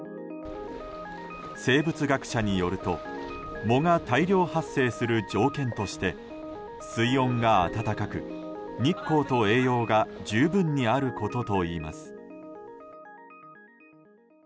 生物学者によると藻が大量発生する条件として水温が温かく、日光と栄養が十分にあることといいます。